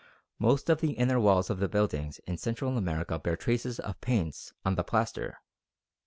Most of the inner walls of the buildings in Central America bear traces of paints on the plaster.